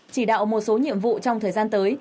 chỉ đạo một số nhiệm vụ trong thời gian tới